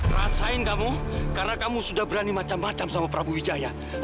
rasain kamu karena kamu sudah berani macam macam sama prabu wijaya